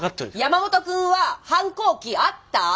山本くんは反抗期あった？